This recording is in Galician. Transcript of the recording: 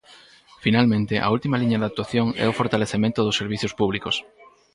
Finalmente, a última liña de actuación é o fortalecemento dos servizos públicos.